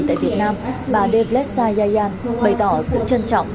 tại việt nam bà devletza yayan bày tỏ sự trân trọng